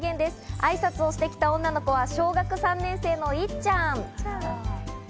あいさつをしてきた女の子は小学３年生の、いっちゃん。